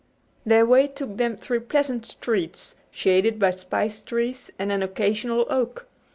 Their way took them through pleasant streets shaded by spice trees and an occasional oak.